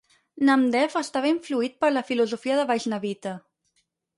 Namdev estava influït per la filosofia de Vaishnavite.